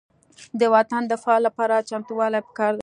د وطن دفاع لپاره چمتووالی پکار دی.